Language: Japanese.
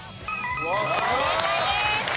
正解です。